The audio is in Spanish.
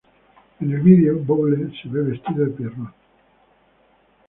En el vídeo, Bowie se ve vestido de Pierrot.